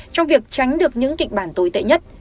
trong việc tránh được những kịch bản tồi tệ nhất